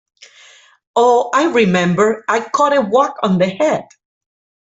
Oh, I remember, I caught a whack on the head.